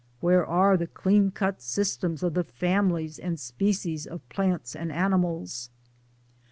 where are the clean cut systems of the families and species of plants and animals?